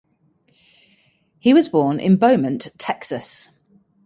He was born in Beaumont, Texas.